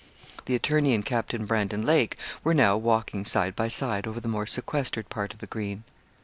The attorney and Captain Brandon Lake were now walking side by side over the more sequestered part of the green.